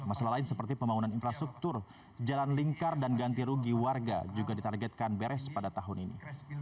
masalah lain seperti pembangunan infrastruktur jalan lingkar dan ganti rugi warga juga ditargetkan beres pada tahun ini